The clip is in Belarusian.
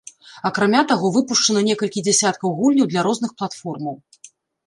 Акрамя таго, выпушчана некалькі дзясяткаў гульняў для розных платформаў.